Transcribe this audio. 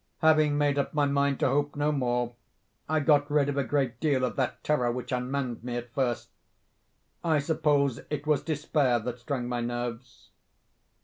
Having made up my mind to hope no more, I got rid of a great deal of that terror which unmanned me at first. I suppose it was despair that strung my nerves.